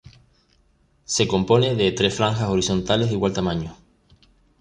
Se compone de tres franjas horizontales de igual tamaño.